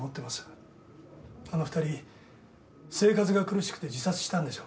あの２人生活が苦しくて自殺したんでしょ。